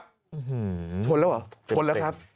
ชนแล้วเหรอชนแล้วครับ